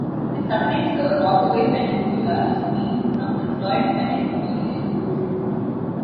It separates the Rockaway Peninsula in Queens from the Floyd Bennett Field in Brooklyn.